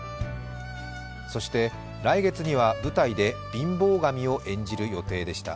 そして来月には舞台で貧乏神を演じる予定でした。